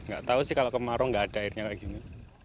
gak tau sih kalau kemarau gak ada airnya kayak gini